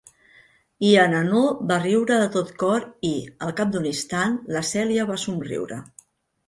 I en Hanaud va riure de tot cor i, al cap d'un instant, la Cèlia va somriure.